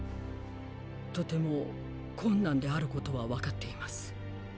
とても困難であることはわかっています。